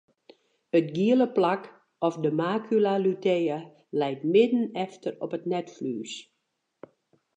It giele plak of de macula lutea leit midden efter op it netflues.